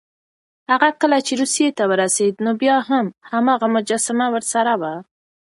هغه کله چې روسيې ته ورسېد، نو بیا هم هماغه مجسمه ورسره وه.